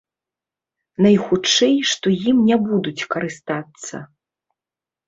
Найхутчэй, што ім не будуць карыстацца.